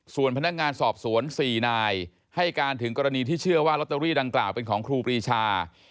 ส่วนพนักงานสอบสวน๔นายให้การถึงกรณีที่เชื่อว่าลอตเตอรี่ดังกล่าวเป็นของครูปรีชา